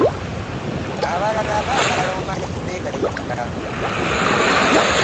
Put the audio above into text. Abalala baagala omale kubeegayirira.